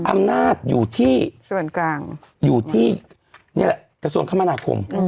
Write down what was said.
อำนาจอยู่ที่กระทรวงคมธนาคม